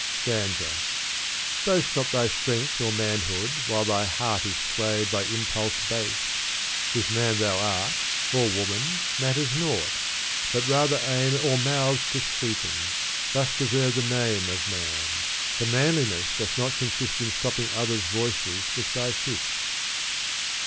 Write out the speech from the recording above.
Stanza, Boast not thy strength or manhood while thy heart Is swayed by impulse base ;— if man thou art, Or woman, matters naught ;— but rather aim All mouths to sweeten, — thus deserve the name Of man ; for manliness doth not consist In stopping others' voices with thy fist.